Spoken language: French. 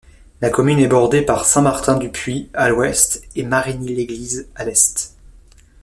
La commune est bordée par Saint-Martin-du-Puy à l'ouest et Marigny-l'Église à l'est.